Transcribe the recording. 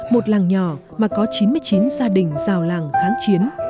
một làng nhỏ mà có chín mươi chín gia đình rào làng kháng chiến